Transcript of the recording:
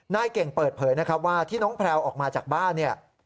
นายเก่งเปิดเผยว่าที่น้องแผลวออกมาจากบ้าน